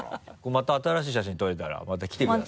また新しい写真撮れたらまた来てください。